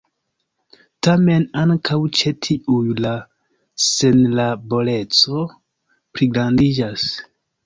Tamen ankaŭ ĉe tiuj la senlaboreco pligrandiĝas.